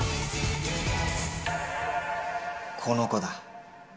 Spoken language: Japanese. この子だ。